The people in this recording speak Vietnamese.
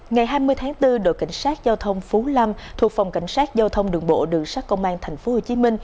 ngày hai mươi tháng bốn đội cảnh sát giao thông phú lâm thuộc phòng cảnh sát giao thông đường bộ đường sát công an tp hcm